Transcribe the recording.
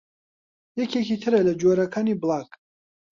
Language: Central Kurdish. یەکێکی ترە لە جۆرەکانی بڵاگ